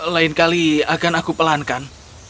lain kali akan aku pelankan